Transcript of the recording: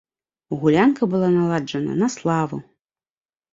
Гулянка была наладжана на славу.